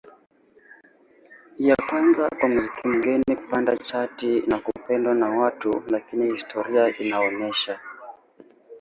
ya kwanza kwa muziki mgeni kupanda chati na kupendwa na watu Lakini historia inaonesha